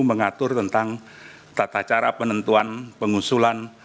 mengatur tentang tata cara penentuan pengusulan